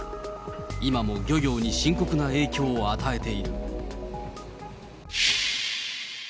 今も漁業に深刻な影響を与えている。